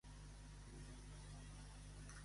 Com es representa en molts casos?